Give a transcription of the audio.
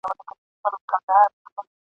د خرقې د پېرودلو عقل خام دی ..